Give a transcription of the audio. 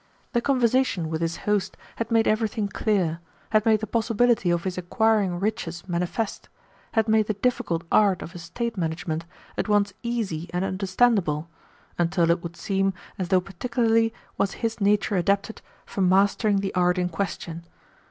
The conversation with his host had made everything clear, had made the possibility of his acquiring riches manifest, had made the difficult art of estate management at once easy and understandable; until it would seem as though particularly was his nature adapted for mastering the art in question.